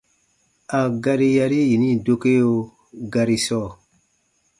A gari yari yini dokeo gari sɔɔ: